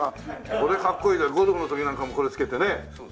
これかっこいいからゴルフの時なんかもこれ着けてね。